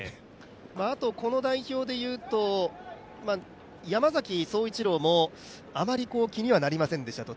あとこの代表でいうと山崎颯一郎もあまり気にならないですと。